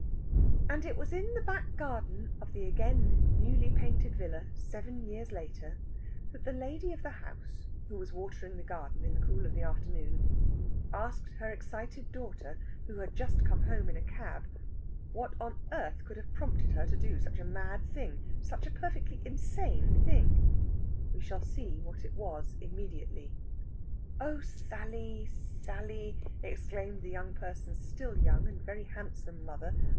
And it was in the back garden of the again newly painted villa, seven years later, that the lady of the house, who was watering the garden in the cool of the afternoon, asked her excited daughter, who had just come home in a cab, what on earth could have prompted her to do such a mad thing, such a perfectly insane thing! We shall see what it was immediately. "Oh, Sally, Sally!" exclaimed that young person's still young and very handsome mother.